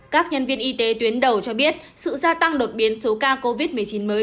các nhân viên y tế tuyến đầu cho biết sự gia tăng đột biến số ca covid một mươi chín mới